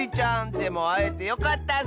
でもあえてよかったッス！